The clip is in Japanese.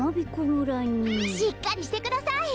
しっかりしてください！